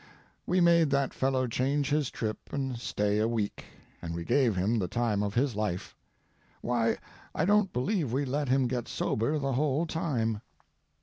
We made that fellow change his trip and stay a week, and we gave him the time of his life. Why, I don't believe we let him get sober the whole time.